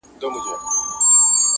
او د ټولنې پر ضمير اوږد سيوری پرېږدي,